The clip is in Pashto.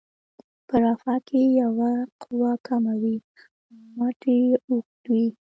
په رافعه کې که یوه قوه کمه وي مټ یې اوږد وي.